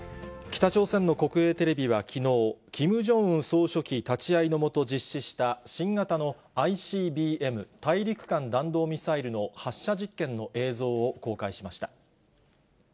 北朝鮮の国営テレビはきのう、キム・ジョンウン総書記立ち会いのもと実施した新型のＩＣＢＭ・大陸間弾道ミサイルの発射実験の映像を公開しました。